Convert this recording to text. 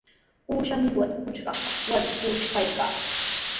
Uusha millwata punchupaq warmi puchkaykan.